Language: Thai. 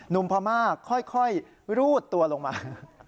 นุมพระม่าค่อยรูดตัวลงมา